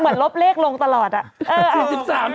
เหมือนลบเลขลงตลอดอะ